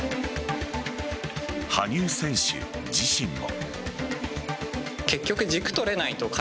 羽生選手自身も。